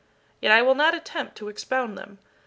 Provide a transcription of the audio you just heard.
Yet I will not attempt to expound them.